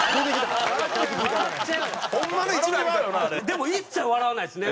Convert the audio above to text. でも一切笑わないですね。